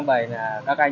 điểm giao cắt